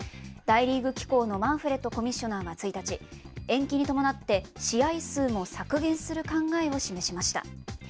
大リーグ機構のマンフレットコミッショナーは１日、延期に伴って試合数も削減する考えを示しました。